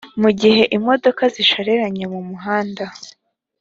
mu gihe imodoka zishoreranye mu muhanda